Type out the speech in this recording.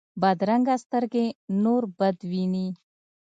بدرنګه سترګې نور بد ویني